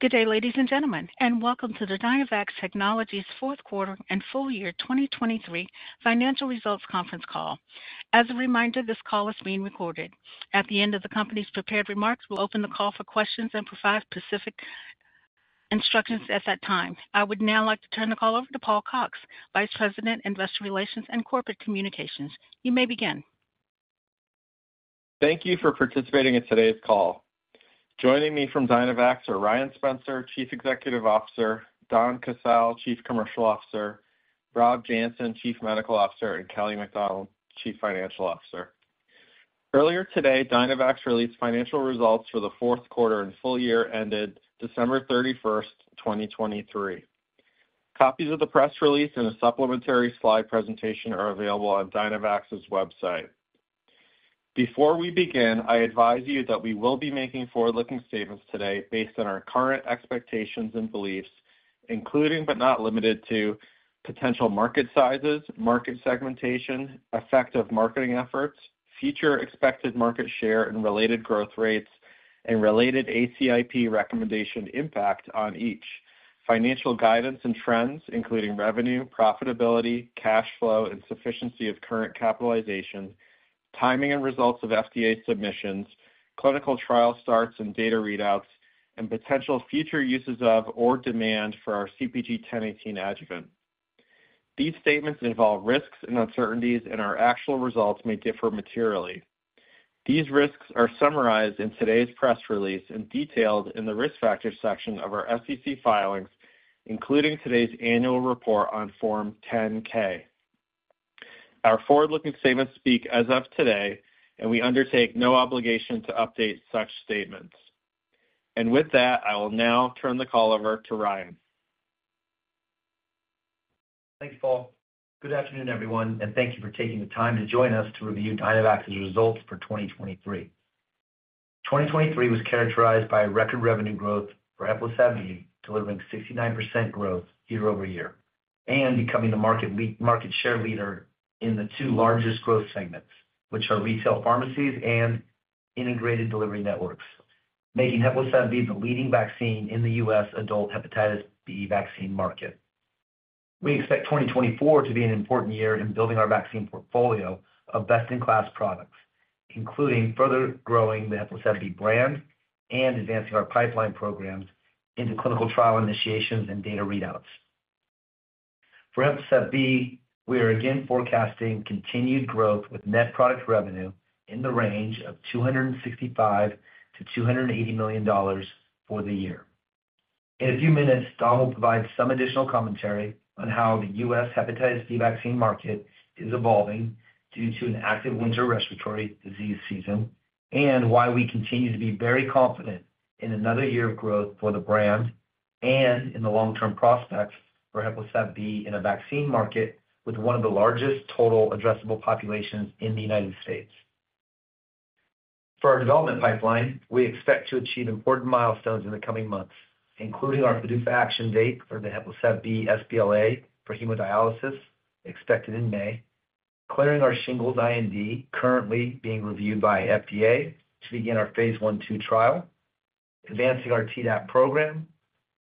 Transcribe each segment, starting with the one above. Good day, ladies and gentlemen, and welcome to the Dynavax Technologies fourth quarter and full year 2023 financial results conference call. As a reminder, this call is being recorded. At the end of the company's prepared remarks, we'll open the call for questions and provide specific instructions at that time. I would now like to turn the call over to Paul Cox, Vice President, Investor Relations and Corporate Communications. You may begin. Thank you for participating in today's call. Joining me from Dynavax are Ryan Spencer, Chief Executive Officer, Donn Casale, Chief Commercial Officer, Rob Janssen, Chief Medical Officer, and Kelly MacDonald, Chief Financial Officer. Earlier today, Dynavax released financial results for the fourth quarter and full year ended December 31st, 2023. Copies of the press release and a supplementary slide presentation are available on Dynavax's website. Before we begin, I advise you that we will be making forward-looking statements today based on our current expectations and beliefs, including but not limited to potential market sizes, market segmentation, effective marketing efforts, future expected market share and related growth rates, and related ACIP recommendation impact on each. Financial guidance and trends, including revenue, profitability, cash flow, and sufficiency of current capitalization. Timing and results of FDA submissions. Clinical trial starts and data readouts. And potential future uses of or demand for our CpG 1018 adjuvant. These statements involve risks and uncertainties, and our actual results may differ materially. These risks are summarized in today's press release and detailed in the risk factors section of our SEC filings, including today's annual report on Form 10-K. Our forward-looking statements speak as of today, and we undertake no obligation to update such statements. With that, I will now turn the call over to Ryan. Thanks, Paul. Good afternoon, everyone, and thank you for taking the time to join us to review Dynavax's results for 2023. 2023 was characterized by record revenue growth for HEPLISAV-B, delivering 69% growth year-over-year, and becoming the market share leader in the two largest growth segments, which are retail pharmacies and integrated delivery networks, making HEPLISAV-B the leading vaccine in the U.S. adult hepatitis B vaccine market. We expect 2024 to be an important year in building our vaccine portfolio of best-in-class products, including further growing the HEPLISAV-B brand and advancing our pipeline programs into clinical trial initiations and data readouts. For HEPLISAV-B, we are again forecasting continued growth with net product revenue in the range of $265 million-$280 million for the year. In a few minutes, Donn will provide some additional commentary on how the U.S. Hepatitis B vaccine market is evolving due to an active winter respiratory disease season and why we continue to be very confident in another year of growth for the brand and in the long-term prospects for HEPLISAV-B in a vaccine market with one of the largest total addressable populations in the United States. For our development pipeline, we expect to achieve important milestones in the coming months, including our PDUFA action date for the HEPLISAV-B sBLA for hemodialysis, expected in May, clearing our shingles IND, currently being reviewed by FDA to begin our phase I/II trial, advancing our Tdap program,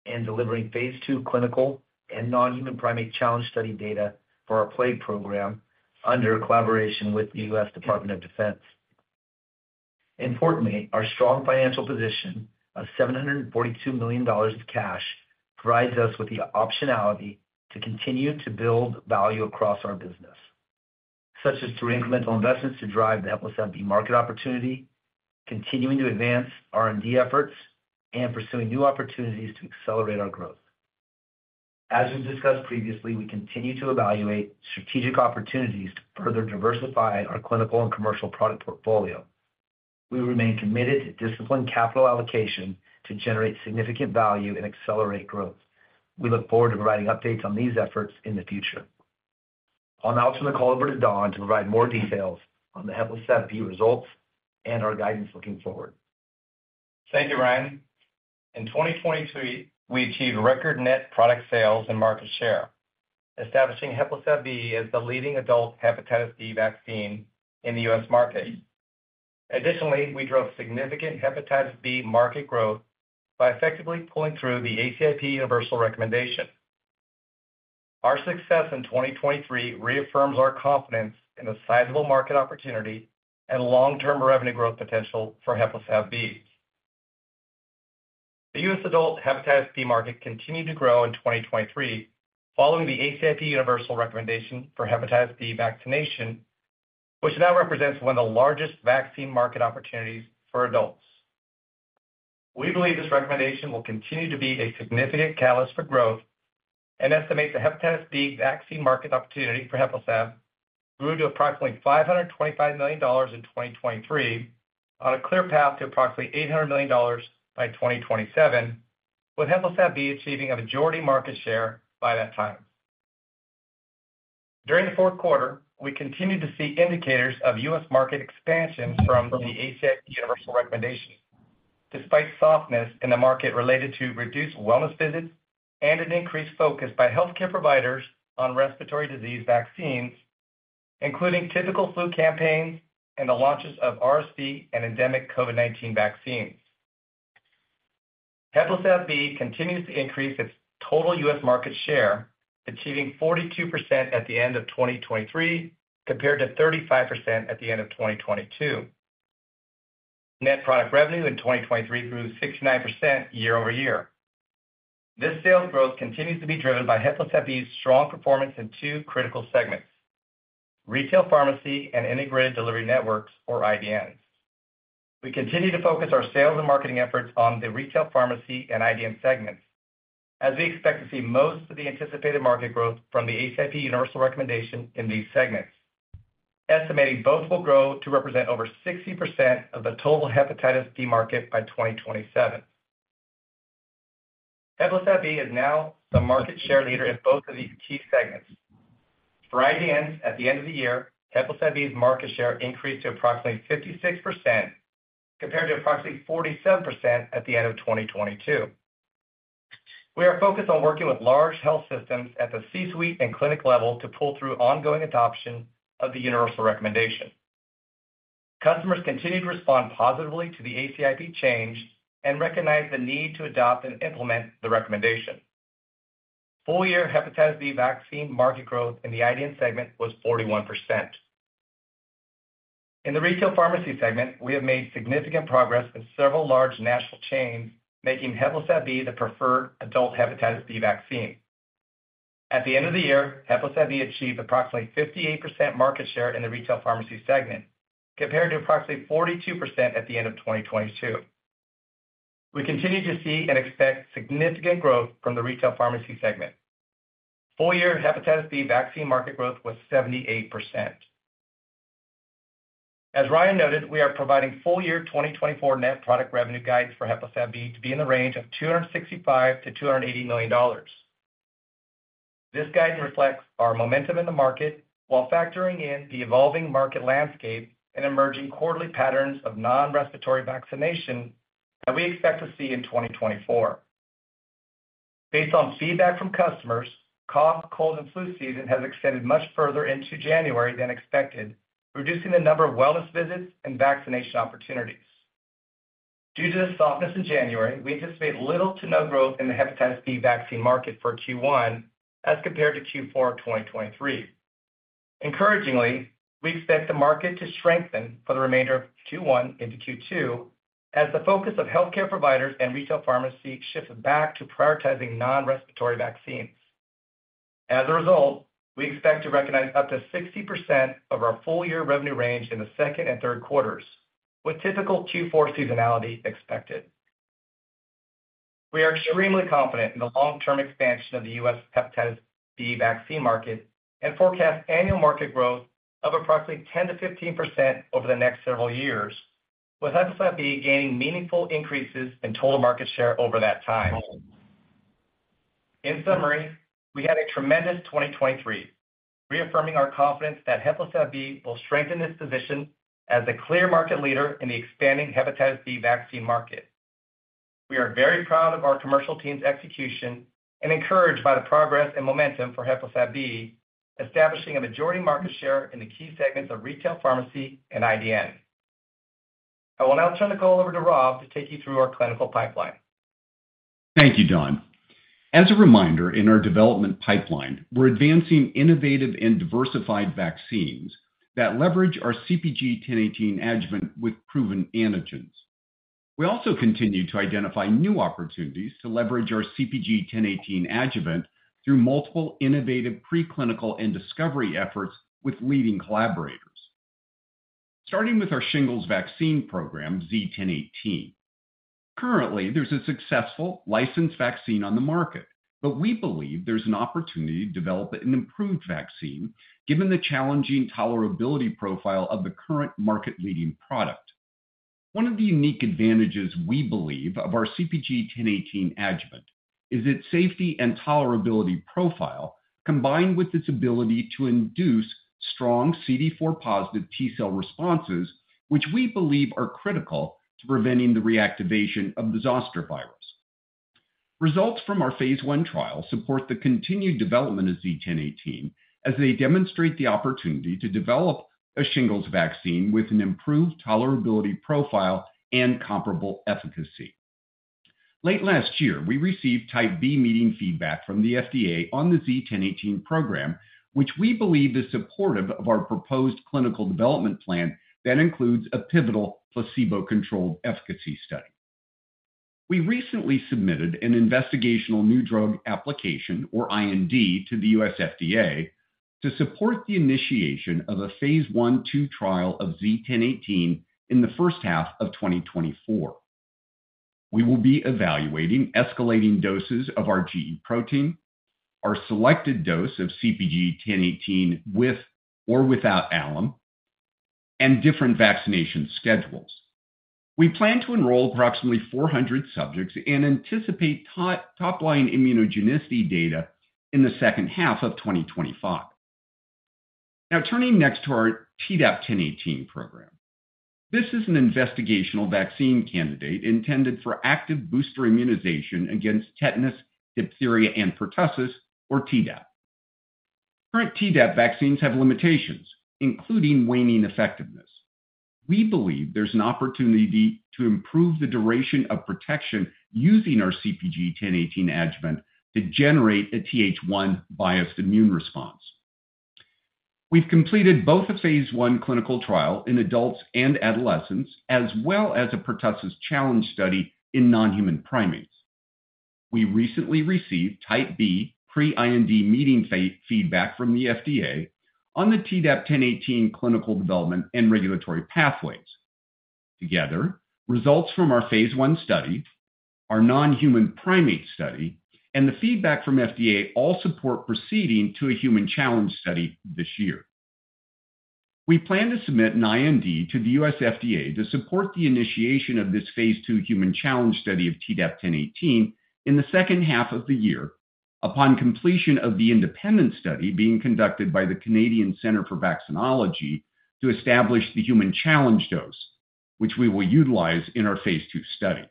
and delivering phase II clinical and non-human primate challenge study data for our plague program under collaboration with the U.S. Department of Defense. Importantly, our strong financial position of $742 million of cash provides us with the optionality to continue to build value across our business, such as through incremental investments to drive the HEPLISAV-B market opportunity, continuing to advance R&D efforts, and pursuing new opportunities to accelerate our growth. As we've discussed previously, we continue to evaluate strategic opportunities to further diversify our clinical and commercial product portfolio. We remain committed to disciplined capital allocation to generate significant value and accelerate growth. We look forward to providing updates on these efforts in the future. I'll now turn the call over to Donn to provide more details on the HEPLISAV-B results and our guidance looking forward. Thank you, Ryan. In 2023, we achieved record net product sales and market share, establishing HEPLISAV-B as the leading adult hepatitis B vaccine in the U.S. market. Additionally, we drove significant hepatitis B market growth by effectively pulling through the ACIP universal recommendation. Our success in 2023 reaffirms our confidence in the sizable market opportunity and long-term revenue growth potential for HEPLISAV-B. The U.S. adult hepatitis B market continued to grow in 2023 following the ACIP universal recommendation for hepatitis B vaccination, which now represents one of the largest vaccine market opportunities for adults. We believe this recommendation will continue to be a significant catalyst for growth and estimates the hepatitis B vaccine market opportunity for HEPLISAV-B grew to approximately $525 million in 2023 on a clear path to approximately $800 million by 2027, with HEPLISAV-B achieving a majority market share by that time. During the fourth quarter, we continued to see indicators of U.S. market expansion from the ACIP universal recommendation, despite softness in the market related to reduced wellness visits and an increased focus by healthcare providers on respiratory disease vaccines, including typical flu campaigns and the launches of RSV and endemic COVID-19 vaccines. HEPLISAV-B continues to increase its total U.S. market share, achieving 42% at the end of 2023 compared to 35% at the end of 2022. Net product revenue in 2023 grew 69% year-over-year. This sales growth continues to be driven by HEPLISAV-B's strong performance in two critical segments: retail pharmacy and integrated delivery networks, or IDNs. We continue to focus our sales and marketing efforts on the retail pharmacy and IDN segments, as we expect to see most of the anticipated market growth from the ACIP universal recommendation in these segments, estimating both will grow to represent over 60% of the total hepatitis B market by 2027. HEPLISAV-B is now the market share leader in both of these key segments. For IDNs, at the end of the year, HEPLISAV-B's market share increased to approximately 56% compared to approximately 47% at the end of 2022. We are focused on working with large health systems at the C-suite and clinic level to pull through ongoing adoption of the universal recommendation. Customers continued to respond positively to the ACIP change and recognized the need to adopt and implement the recommendation. Full year hepatitis B vaccine market growth in the IDN segment was 41%. In the retail pharmacy segment, we have made significant progress in several large national chains, making HEPLISAV-B the preferred adult hepatitis B vaccine. At the end of the year, HEPLISAV-B achieved approximately 58% market share in the retail pharmacy segment compared to approximately 42% at the end of 2022. We continue to see and expect significant growth from the retail pharmacy segment. Full year hepatitis B vaccine market growth was 78%. As Ryan noted, we are providing full year 2024 net product revenue guidance for HEPLISAV-B to be in the range of $265 million-$280 million. This guidance reflects our momentum in the market while factoring in the evolving market landscape and emerging quarterly patterns of non-respiratory vaccination that we expect to see in 2024. Based on feedback from customers, cough, cold, and flu season has extended much further into January than expected, reducing the number of wellness visits and vaccination opportunities. Due to the softness in January, we anticipate little to no growth in the hepatitis B vaccine market for Q1 as compared to Q4 of 2023. Encouragingly, we expect the market to strengthen for the remainder of Q1 into Q2 as the focus of healthcare providers and retail pharmacy shifts back to prioritizing non-respiratory vaccines. As a result, we expect to recognize up to 60% of our full year revenue range in the second and third quarters, with typical Q4 seasonality expected. We are extremely confident in the long-term expansion of the U.S. Hepatitis B vaccine market and forecast annual market growth of approximately 10%-15% over the next several years, with HEPLISAV-B gaining meaningful increases in total market share over that time. In summary, we had a tremendous 2023, reaffirming our confidence that HEPLISAV-B will strengthen its position as a clear market leader in the expanding hepatitis B vaccine market. We are very proud of our commercial team's execution and encouraged by the progress and momentum for HEPLISAV-B, establishing a majority market share in the key segments of retail pharmacy and IDN. I will now turn the call over to Rob to take you through our clinical pipeline. Thank you, Donn. As a reminder, in our development pipeline, we're advancing innovative and diversified vaccines that leverage our CpG 1018 adjuvant with proven antigens. We also continue to identify new opportunities to leverage our CpG 1018 adjuvant through multiple innovative preclinical and discovery efforts with leading collaborators. Starting with our shingles vaccine program, Z-1018. Currently, there's a successful licensed vaccine on the market, but we believe there's an opportunity to develop an improved vaccine given the challenging tolerability profile of the current market-leading product. One of the unique advantages, we believe, of our CpG 1018 adjuvant is its safety and tolerability profile combined with its ability to induce strong CD4-positive T-cell responses, which we believe are critical to preventing the reactivation of the zoster virus. Results from our phase I trial support the continued development of Z-1018 as they demonstrate the opportunity to develop a shingles vaccine with an improved tolerability profile and comparable efficacy. Late last year, we received Type B meeting feedback from the FDA on the Z-1018 program, which we believe is supportive of our proposed clinical development plan that includes a pivotal placebo-controlled efficacy study. We recently submitted an investigational new drug application, or IND, to the U.S. FDA to support the initiation of a phase I/II trial of Z-1018 in the first half of 2024. We will be evaluating escalating doses of our gE protein, our selected dose of CpG 1018 with or without alum, and different vaccination schedules. We plan to enroll approximately 400 subjects and anticipate top-line immunogenicity data in the second half of 2025. Now, turning next to our Tdap-1018 program. This is an investigational vaccine candidate intended for active booster immunization against tetanus, diphtheria, and pertussis, or Tdap. Current Tdap vaccines have limitations, including waning effectiveness. We believe there's an opportunity to improve the duration of protection using our CpG 1018 adjuvant to generate a Th1-biased immune response. We've completed both a phase I clinical trial in adults and adolescents, as well as a pertussis challenge study in non-human primates. We recently received Type B pre-IND meeting feedback from the FDA on the Tdap-1018 clinical development and regulatory pathways. Together, results from our phase I study, our non-human primate study, and the feedback from FDA all support proceeding to a human challenge study this year. We plan to submit an IND to the U.S. FDA to support the initiation of this phase II human challenge study of Tdap-1018 in the second half of the year upon completion of the independent study being conducted by the Canadian Center for Vaccinology to establish the human challenge dose, which we will utilize in our phase II study.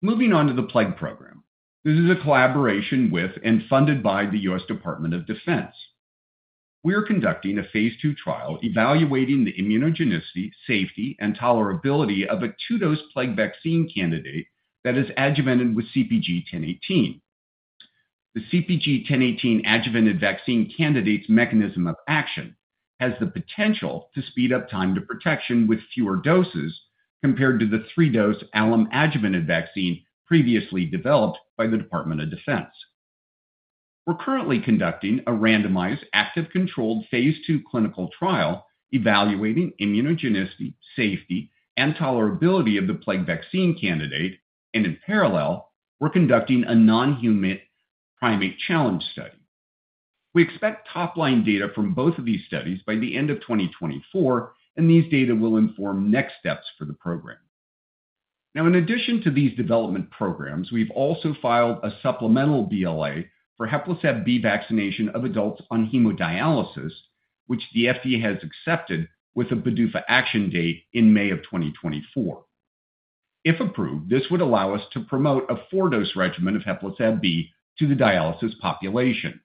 Moving on to the plague program. This is a collaboration with and funded by the U.S. Department of Defense. We are conducting a phase II trial evaluating the immunogenicity, safety, and tolerability of a two-dose plague vaccine candidate that is adjuvanted with CpG 1018. The CpG 1018 adjuvanted vaccine candidate's mechanism of action has the potential to speed up time to protection with fewer doses compared to the three-dose Alum adjuvanted vaccine previously developed by the Department of Defense. We're currently conducting a randomized active-controlled phase II clinical trial evaluating immunogenicity, safety, and tolerability of the plague vaccine candidate, and in parallel, we're conducting a non-human primate challenge study. We expect top-line data from both of these studies by the end of 2024, and these data will inform next steps for the program. Now, in addition to these development programs, we've also filed a supplemental BLA for HEPLISAV-B vaccination of adults on hemodialysis, which the FDA has accepted with a PDUFA action date in May of 2024. If approved, this would allow us to promote a four-dose regimen of HEPLISAV-B to the dialysis population.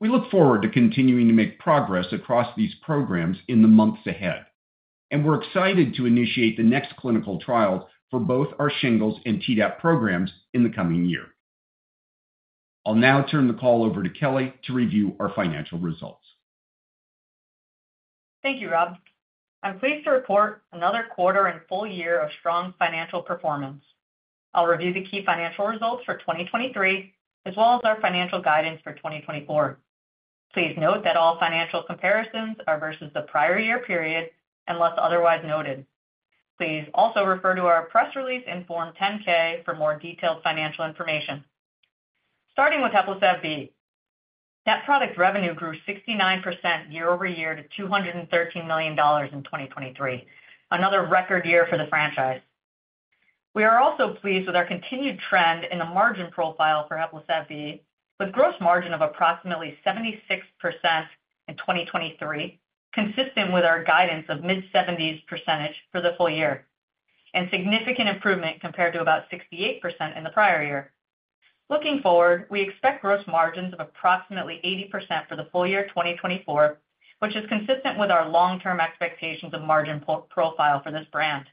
We look forward to continuing to make progress across these programs in the months ahead, and we're excited to initiate the next clinical trials for both our shingles and Tdap programs in the coming year. I'll now turn the call over to Kelly to review our financial results. Thank you, Rob. I'm pleased to report another quarter and full year of strong financial performance. I'll review the key financial results for 2023 as well as our financial guidance for 2024. Please note that all financial comparisons are versus the prior year period unless otherwise noted. Please also refer to our press release in Form 10-K for more detailed financial information. Starting with HEPLISAV-B. Net product revenue grew 69% year-over-year to $213 million in 2023, another record year for the franchise. We are also pleased with our continued trend in the margin profile for HEPLISAV-B, with gross margin of approximately 76% in 2023, consistent with our guidance of mid-70s% for the full year, and significant improvement compared to about 68% in the prior year. Looking forward, we expect gross margins of approximately 80% for the full year 2024, which is consistent with our long-term expectations of margin profile for this brand.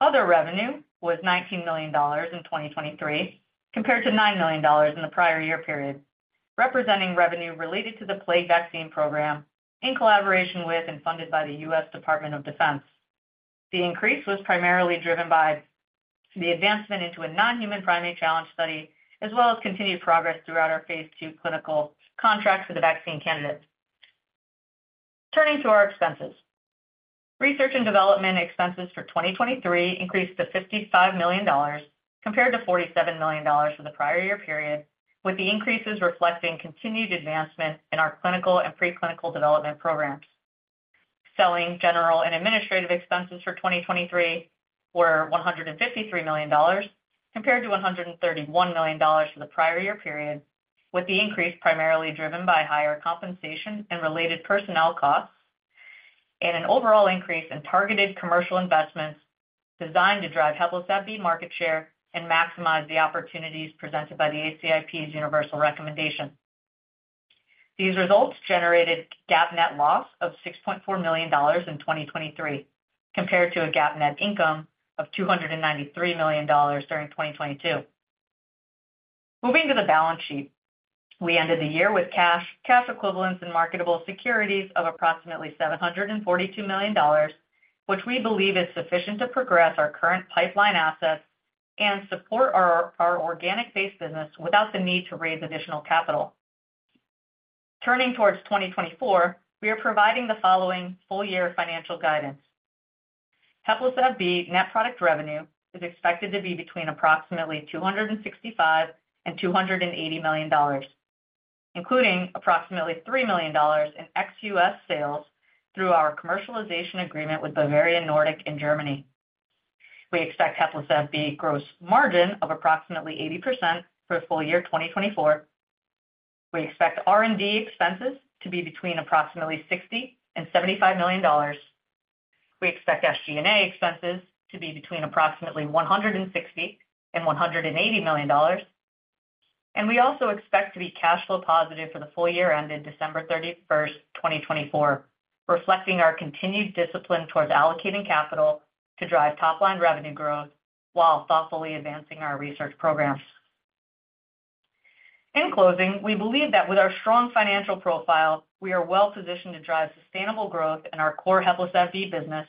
Other revenue was $19 million in 2023 compared to $9 million in the prior year period, representing revenue related to the plague vaccine program in collaboration with and funded by the U.S. Department of Defense. The increase was primarily driven by the advancement into a non-human primate challenge study as well as continued progress throughout our phase II clinical contracts for the vaccine candidate. Turning to our expenses. Research and development expenses for 2023 increased to $55 million compared to $47 million for the prior year period, with the increases reflecting continued advancement in our clinical and preclinical development programs. Selling, general, and administrative expenses for 2023 were $153 million compared to $131 million for the prior year period, with the increase primarily driven by higher compensation and related personnel costs and an overall increase in targeted commercial investments designed to drive HEPLISAV-B market share and maximize the opportunities presented by the ACIP's universal recommendation. These results generated GAAP net loss of $6.4 million in 2023 compared to a GAAP net income of $293 million during 2022. Moving to the balance sheet, we ended the year with cash, cash equivalents, and marketable securities of approximately $742 million, which we believe is sufficient to progress our current pipeline assets and support our organic-based business without the need to raise additional capital. Turning towards 2024, we are providing the following full year financial guidance. HEPLISAV-B net product revenue is expected to be between approximately $265 million-$280 million, including approximately $3 million in ex-U.S. sales through our commercialization agreement with Bavarian Nordic in Germany. We expect HEPLISAV-B gross margin of approximately 80% for the full year 2024. We expect R&D expenses to be between approximately $60 million-$75 million. We expect SG&A expenses to be between approximately $160 million-$180 million. We also expect to be cash flow positive for the full year ended December 31st, 2024, reflecting our continued discipline towards allocating capital to drive top-line revenue growth while thoughtfully advancing our research programs. In closing, we believe that with our strong financial profile, we are well positioned to drive sustainable growth in our core HEPLISAV-B business,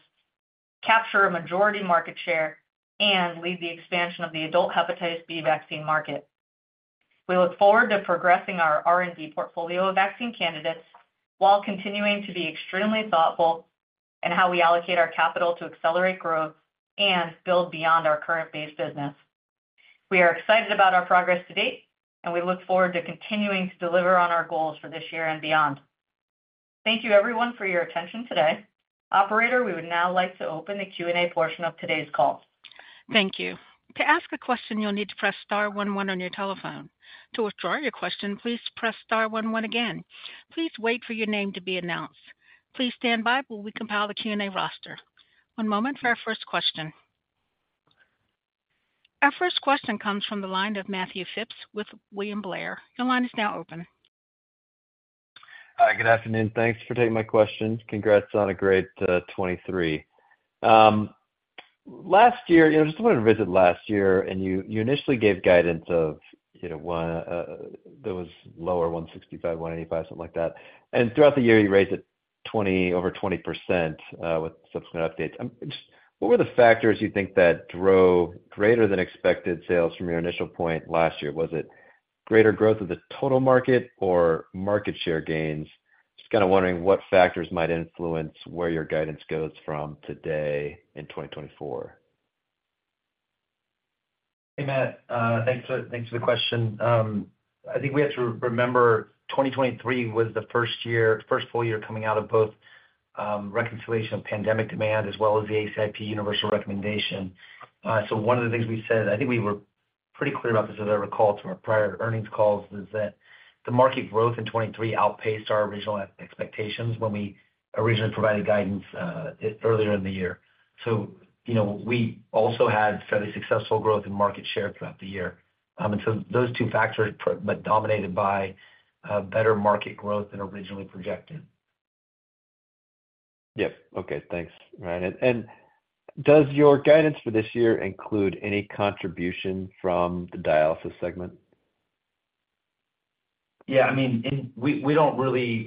capture a majority market share, and lead the expansion of the adult hepatitis B vaccine market. We look forward to progressing our R&D portfolio of vaccine candidates while continuing to be extremely thoughtful in how we allocate our capital to accelerate growth and build beyond our current-based business. We are excited about our progress to date, and we look forward to continuing to deliver on our goals for this year and beyond. Thank you, everyone, for your attention today. Operator, we would now like to open the Q&A portion of today's call. Thank you. To ask a question, you'll need to press star one one on your telephone. To withdraw your question, please press star one one again. Please wait for your name to be announced. Please stand by while we compile the Q&A roster. One moment for our first question. Our first question comes from the line of Matthew Phipps with William Blair. Your line is now open. Hi, good afternoon. Thanks for taking my question. Congrats on a great 2023. Last year, you know, just wanted to visit last year, and you initially gave guidance of, you know, one that was lower, $165, $185, something like that. Throughout the year, you raised it over 20% with subsequent updates. What were the factors you think that drove greater than expected sales from your initial point last year? Was it greater growth of the total market or market share gains? Just kind of wondering what factors might influence where your guidance goes from today in 2024? Hey, Matt. Thanks for the question. I think we have to remember 2023 was the first year, first full year coming out of both reconciliation of pandemic demand as well as the ACIP universal recommendation. So one of the things we said, I think we were pretty clear about this as I recall from our prior earnings calls, is that the market growth in 2023 outpaced our original expectations when we originally provided guidance earlier in the year. So, you know, we also had fairly successful growth in market share throughout the year. And so those two factors, but dominated by better market growth than originally projected. Yep. Okay. Thanks. Right. And does your guidance for this year include any contribution from the dialysis segment? Yeah. I mean, we don't really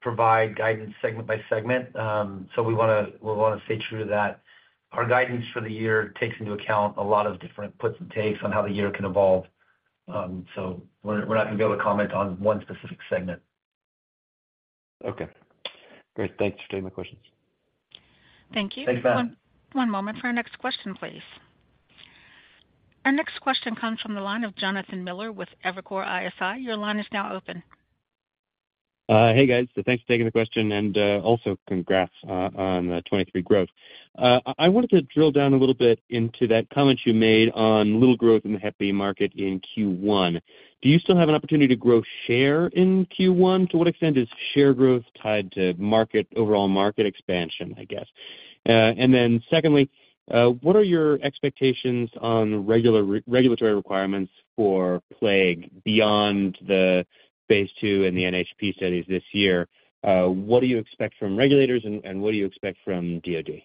provide guidance segment by segment. So we want to stay true to that. Our guidance for the year takes into account a lot of different puts and takes on how the year can evolve. So we're not going to be able to comment on one specific segment. Okay. Great. Thanks for taking my questions. Thank you. Thanks, Matt. One moment for our next question, please. Our next question comes from the line of Jonathan Miller with Evercore ISI. Your line is now open. Hey, guys. So thanks for taking the question, and also congrats on 2023 growth. I wanted to drill down a little bit into that comment you made on little growth in the Hep B market in Q1. Do you still have an opportunity to grow share in Q1? To what extent is share growth tied to market, overall market expansion, I guess? And then secondly, what are your expectations on regulatory requirements for plague beyond the phase II and the NHP studies this year? What do you expect from regulators, and what do you expect from DoD?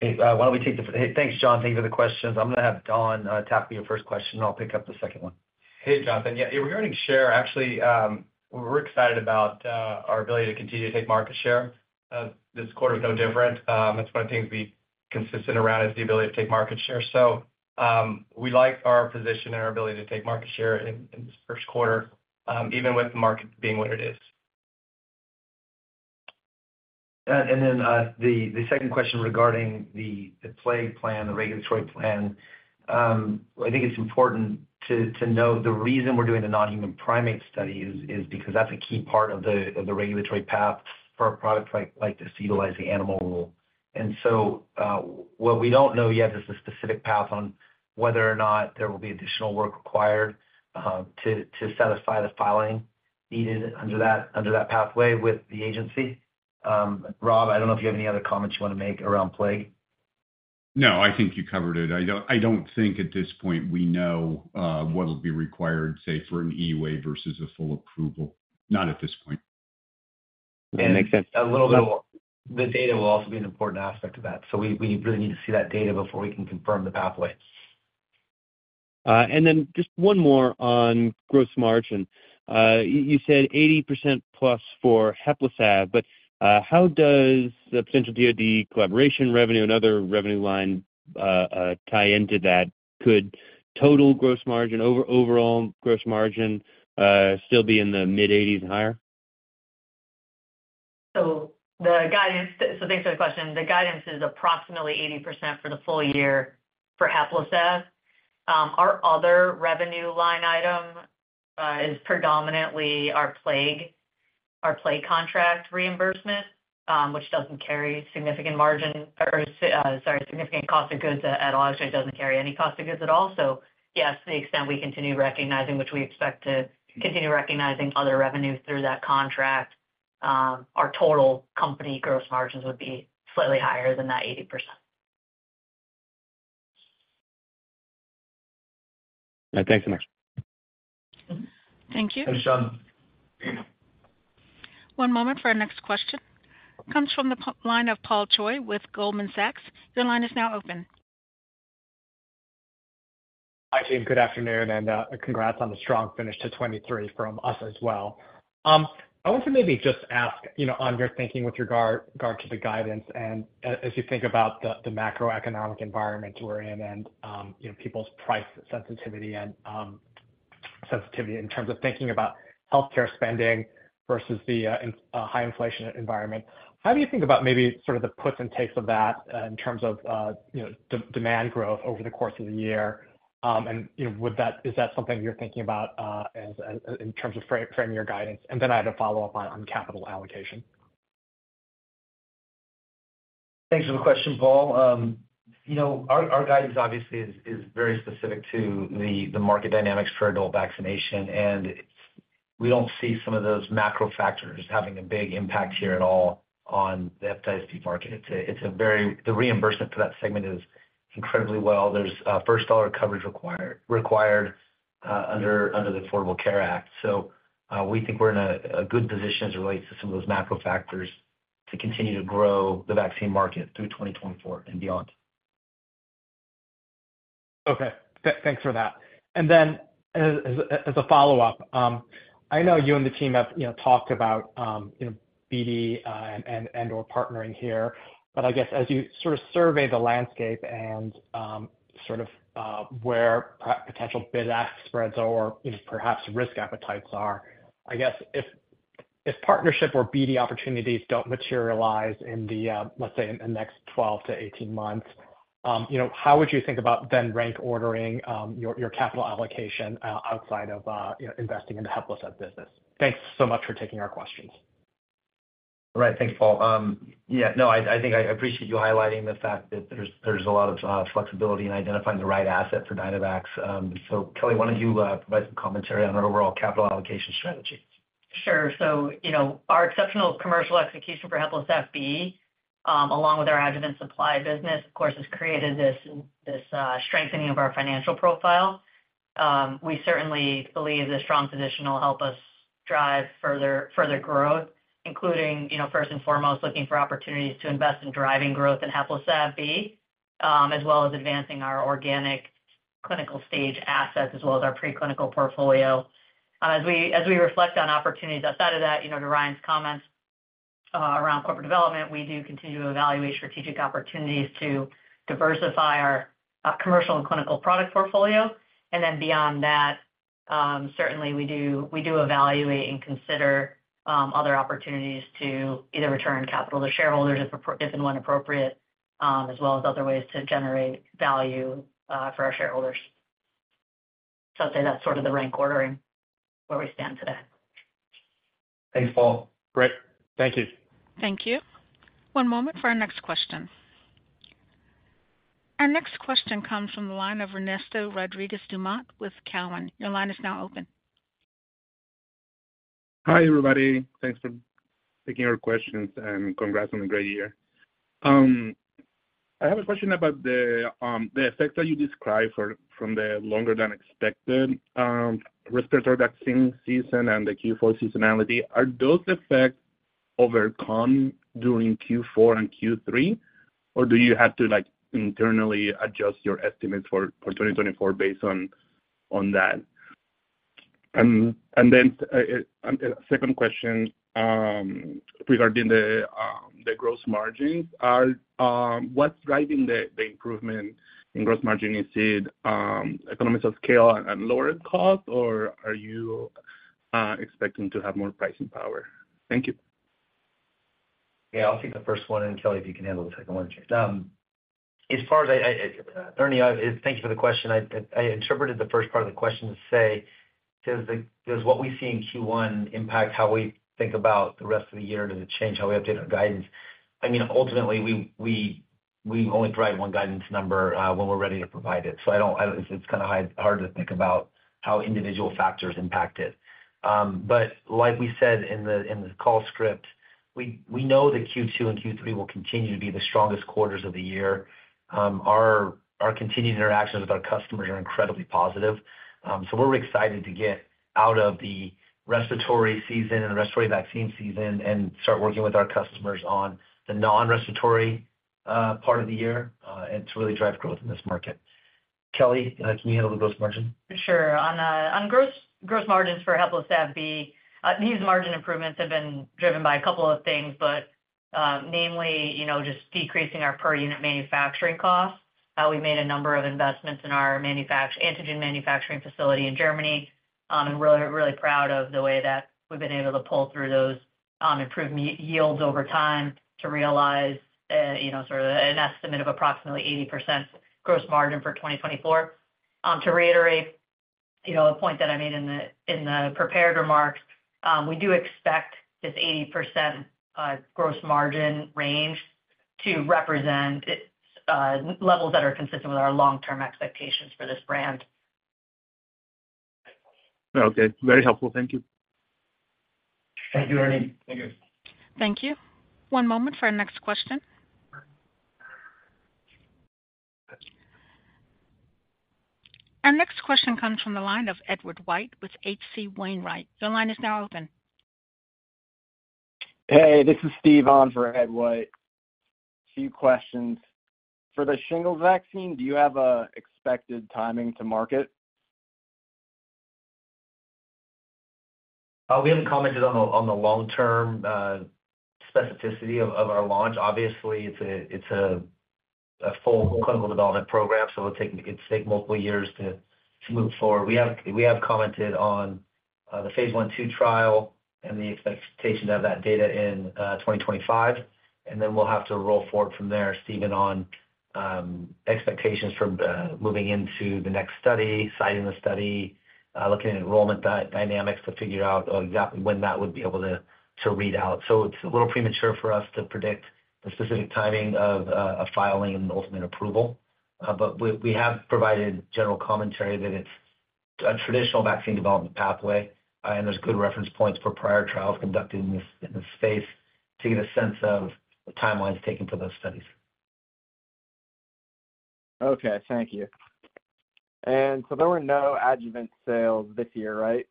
Thanks, John. Thank you for the questions. I'm going to have Don tackle your first question, and I'll pick up the second one. Hey, Jonathan. Yeah, we're gaining share. Actually, we're excited about our ability to continue to take market share. This quarter is no different. That's one of the things we've been consistent around is the ability to take market share. So we like our position and our ability to take market share in this first quarter, even with the market being what it is. Then the second question regarding the plague plan, the regulatory plan, I think it's important to note the reason we're doing the non-human primate study is because that's a key part of the regulatory path for a product like this to utilize the animal rule. So what we don't know yet is the specific path on whether or not there will be additional work required to satisfy the filing needed under that pathway with the agency. Rob, I don't know if you have any other comments you want to make around plague. No, I think you covered it. I don't think at this point we know what will be required, say, for an EUA versus a full approval. Not at this point. That makes sense. A little bit of the data will also be an important aspect of that. We really need to see that data before we can confirm the pathway. Then just one more on gross margin. You said 80%+ for HEPLISAV-B, but how does potential DoD collaboration revenue and other revenue line tie into that? Could total gross margin, overall gross margin, still be in the mid-80s% and higher? So, thanks for the question. The guidance is approximately 80% for the full year for HEPLISAV-B. Our other revenue line item is predominantly our plague contract reimbursement, which doesn't carry significant margin or, sorry, significant cost of goods at all. Actually, it doesn't carry any cost of goods at all. So yes, to the extent we continue recognizing, which we expect to continue recognizing other revenue through that contract, our total company gross margins would be slightly higher than that 80%. All right. Thanks so much. Thank you. Thanks, John. One moment for our next question. Comes from the line of Paul Choi with Goldman Sachs. Your line is now open. Hi, team. Good afternoon, and congrats on the strong finish to 2023 from us as well. I want to maybe just ask, on your thinking with regard to the guidance and as you think about the macroeconomic environment we're in and people's price sensitivity and sensitivity in terms of thinking about healthcare spending versus the high inflation environment, how do you think about maybe sort of the puts and takes of that in terms of demand growth over the course of the year? And is that something you're thinking about in terms of framing your guidance? And then I had a follow-up on capital allocation. Thanks for the question, Paul. Our guidance obviously is very specific to the market dynamics for adult vaccination, and we don't see some of those macro factors having a big impact here at all on the hepatitis B market. It's a very the reimbursement for that segment is incredibly well. There's $1 coverage required under the Affordable Care Act. So we think we're in a good position as it relates to some of those macro factors to continue to grow the vaccine market through 2024 and beyond. Okay. Thanks for that. And then as a follow-up, I know you and the team have talked about BD and/or partnering here, but I guess as you sort of survey the landscape and sort of where potential bid-ask spreads or perhaps risk appetites are, I guess if partnership or BD opportunities don't materialize in the, let's say, in the next 12-18 months, how would you think about then rank ordering your capital allocation outside of investing into HEPLISAV-B business? Thanks so much for taking our questions. All right. Thanks, Paul. Yeah, no, I think I appreciate you highlighting the fact that there's a lot of flexibility in identifying the right asset for Dynavax. So, Kelly, why don't you provide some commentary on our overall capital allocation strategy? Sure. So our exceptional commercial execution for HEPLISAV-B, along with our adjuvant supply business, of course, has created this strengthening of our financial profile. We certainly believe this strong position will help us drive further growth, including first and foremost looking for opportunities to invest in driving growth in HEPLISAV-B as well as advancing our organic clinical stage assets as well as our preclinical portfolio. As we reflect on opportunities outside of that, to Ryan's comments around corporate development, we do continue to evaluate strategic opportunities to diversify our commercial and clinical product portfolio. And then beyond that, certainly, we do evaluate and consider other opportunities to either return capital to shareholders if and when appropriate, as well as other ways to generate value for our shareholders. So I'd say that's sort of the rank ordering where we stand today. Thanks, Paul. Great. Thank you. Thank you. One moment for our next question. Our next question comes from the line of Ernesto Rodriguez-Dumont with Cowen. Your line is now open. Hi, everybody. Thanks for taking our questions and congrats on a great year. I have a question about the effects that you described from the longer-than-expected respiratory vaccine season and the Q4 seasonality. Are those effects overcome during Q4 and Q3, or do you have to internally adjust your estimates for 2024 based on that? And then a second question regarding the gross margins. What's driving the improvement in gross margin? Is it economies of scale and lowering costs, or are you expecting to have more pricing power? Thank you. Yeah, I'll take the first one, and Kelly, if you can handle the second one. As far as Ernie, thank you for the question. I interpreted the first part of the question to say, "Does what we see in Q1 impact how we think about the rest of the year? Does it change how we update our guidance?" I mean, ultimately, we only provide one guidance number when we're ready to provide it. So it's kind of hard to think about how individual factors impact it. But like we said in the call script, we know that Q2 and Q3 will continue to be the strongest quarters of the year. Our continued interactions with our customers are incredibly positive. We're excited to get out of the respiratory season and the respiratory vaccine season and start working with our customers on the non-respiratory part of the year to really drive growth in this market. Kelly, can you handle the gross margin? Sure. On gross margins for HEPLISAV-B, these margin improvements have been driven by a couple of things, but namely just decreasing our per-unit manufacturing costs, how we made a number of investments in our antigen manufacturing facility in Germany. And we're really proud of the way that we've been able to pull through those improved yields over time to realize sort of an estimate of approximately 80% gross margin for 2024. To reiterate a point that I made in the prepared remarks, we do expect this 80% gross margin range to represent levels that are consistent with our long-term expectations for this brand. Okay. Very helpful. Thank you. Thank you, Ernie. Thank you. Thank you. One moment for our next question. Our next question comes from the line of Edward White with H.C. Wainwright. Your line is now open. Hey, this is Steve on for Edward. Few questions. For the shingles vaccine, do you have an expected timing to market? We haven't commented on the long-term specificity of our launch. Obviously, it's a full clinical development program, so it's going to take multiple years to move forward. We have commented on the phase I/II trial and the expectation to have that data in 2025. And then we'll have to roll forward from there, Steven, on expectations for moving into the next study, citing the study, looking at enrollment dynamics to figure out exactly when that would be able to read out. So it's a little premature for us to predict the specific timing of filing and the ultimate approval. But we have provided general commentary that it's a traditional vaccine development pathway, and there's good reference points for prior trials conducted in this space to get a sense of the timelines taken for those studies. Okay. Thank you. And so there were no adjuvant sales this year, right?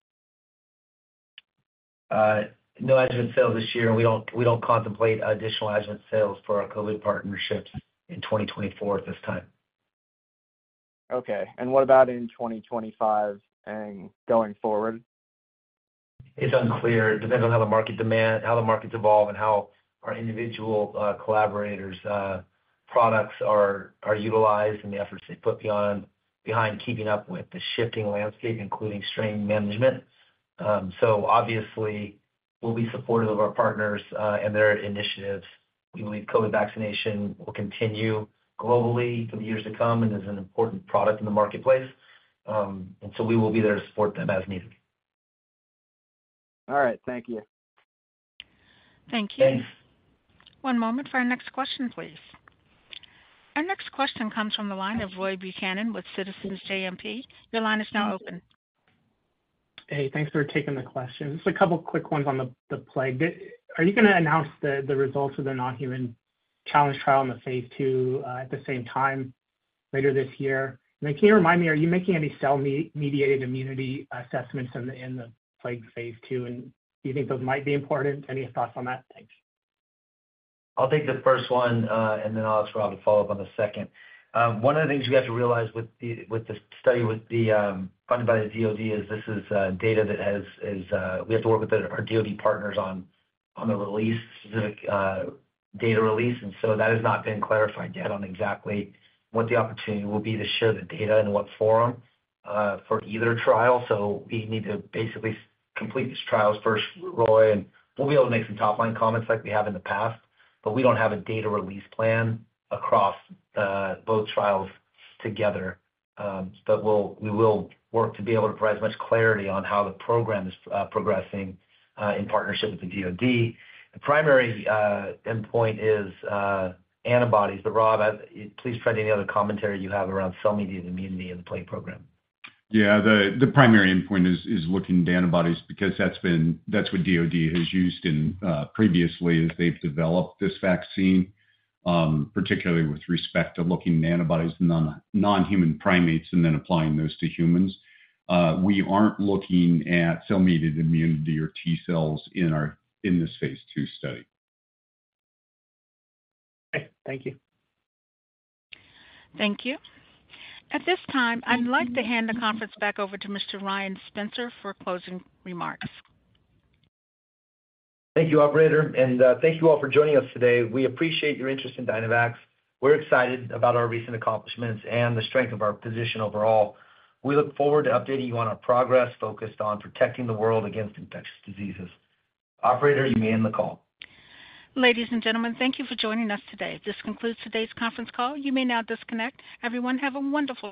No adjuvant sales this year. We don't contemplate additional adjuvant sales for our COVID partnerships in 2024 at this time. Okay. What about in 2025 and going forward? It's unclear. It depends on how the market demand, how the markets evolve, and how our individual collaborators' products are utilized and the efforts they put behind keeping up with the shifting landscape, including strain management. So obviously, we'll be supportive of our partners and their initiatives. We believe COVID vaccination will continue globally for the years to come and is an important product in the marketplace. And so we will be there to support them as needed. All right. Thank you. Thank you. Thanks. One moment for our next question, please. Our next question comes from the line of Roy Buchanan with Citizens JMP. Your line is now open. Hey, thanks for taking the question. Just a couple of quick ones on the plague. Are you going to announce the results of the non-human challenge trial in the phase II at the same time later this year? And then can you remind me, are you making any cell-mediated immunity assessments in the plague phase II? And do you think those might be important? Any thoughts on that? Thanks. I'll take the first one, and then I'll ask Rob to follow up on the second. One of the things you have to realize with the study funded by the DoD is this is data that we have to work with our DoD partners on the release, specific data release. So that has not been clarified yet on exactly what the opportunity will be to share the data and what forum for either trial. We need to basically complete these trials first, Roy, and we'll be able to make some top-line comments like we have in the past. We don't have a data release plan across both trials together. We will work to be able to provide as much clarity on how the program is progressing in partnership with the DoD. The primary endpoint is antibodies. But Rob, please add any other commentary you have around cell-mediated immunity and the plague program. Yeah, the primary endpoint is looking into antibodies because that's what DoD has used previously as they've developed this vaccine, particularly with respect to looking into antibodies, non-human primates, and then applying those to humans. We aren't looking at cell-mediated immunity or T cells in this phase II study. Okay. Thank you. Thank you. At this time, I'd like to hand the conference back over to Mr. Ryan Spencer for closing remarks. Thank you, Operator. Thank you all for joining us today. We appreciate your interest in Dynavax. We're excited about our recent accomplishments and the strength of our position overall. We look forward to updating you on our progress focused on protecting the world against infectious diseases. Operator, you may end the call. Ladies and gentlemen, thank you for joining us today. This concludes today's conference call. You may now disconnect. Everyone, have a wonderful.